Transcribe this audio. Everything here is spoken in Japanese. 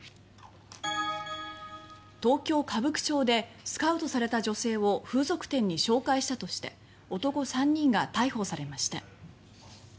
東京・歌舞伎町でスカウトされた女性を風俗店に紹介したとして男３人が逮捕されました。